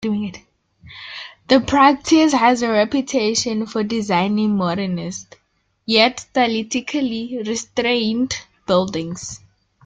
The practice has a reputation for designing modernist, yet stylistically restrained buildings.